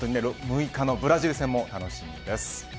６日のブラジル戦も楽しみです。